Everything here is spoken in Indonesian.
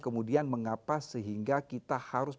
kemudian mengapa sehingga kita harus